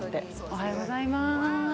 おはようございます。